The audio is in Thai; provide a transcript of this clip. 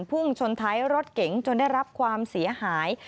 พุ่งชนท้ายรถเก๋งจนได้รับความเสียหาย